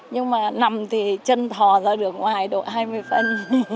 nhưng mà nằm thì chân thò ra đường ngoài độ hai mươi phân